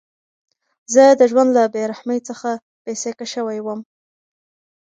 زه د ژوند له بېرحمۍ څخه بېسېکه شوی وم.